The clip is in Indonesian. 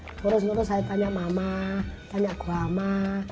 ngurus ngurus saya tanya mama tanya gue ama